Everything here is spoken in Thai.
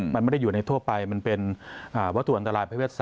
มันไม่ได้อยู่ในทั่วไปมันเป็นวัตถุอันตรายประเภท๓